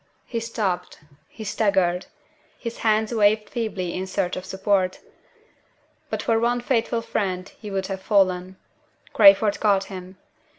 He stopped he staggered his hands waved feebly in search of support. But for one faithful friend he would have fallen. Crayford caught him.